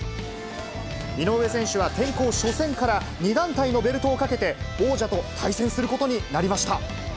井上選手は転向初戦から、２団体のベルトをかけて、王者と対戦することになりました。